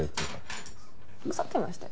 腐ってましたよ。